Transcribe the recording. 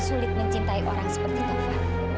sulit mencintai orang seperti tova